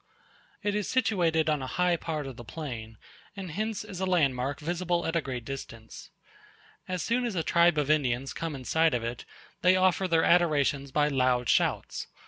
It is situated on a high part of the plain; and hence is a landmark visible at a great distance. As soon as a tribe of Indians come in sight of it, they offer their adorations by loud shouts.